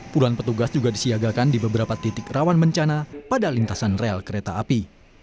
puluhan petugas juga disiagakan di beberapa titik rawan bencana pada lintasan rel kereta api